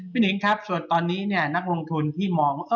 พี่หนิงครับส่วนตอนนี้เนี่ยนักลงทุนที่มองระยะสั้นดูเหมือนจะปลอดโปร่งแล้วนะครับ